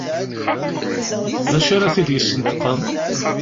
D acu ara t-id-yesneṭqen?